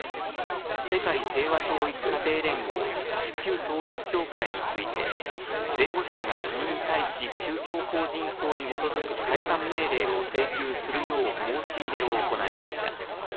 世界平和統一家庭連合・旧統一教会について、弁護士らが国に対し、宗教法人法に基づく解散命令を請求するよう申し入れを行いました。